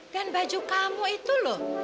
dan baju kamu itu loh